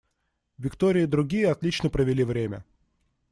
Виктория и другие отлично провели время.